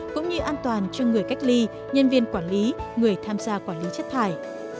cũng như an toàn cho người cách ly nhân viên quản lý người tham gia quản lý chất thải